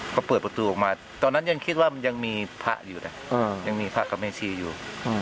ก็เปิดประตูออกมาตอนนั้นยังคิดว่ามันยังมีพระอยู่นะยังมีพระกับแม่ชีอยู่